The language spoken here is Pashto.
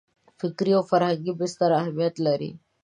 فکري او فرهنګي بستر اهمیت لري.